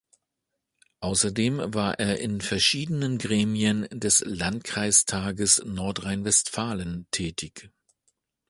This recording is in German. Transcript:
Außerdem war er in verschiedenen Gremien des Landkreistages Nordrhein-Westfalen tätig.